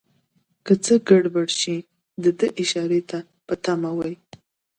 که څه ګړبړ شي دده اشارې ته په تمه وي.